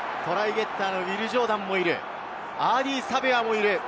ゲッターのウィル・ジョーダンもいる、アーディー・サヴェアもいる。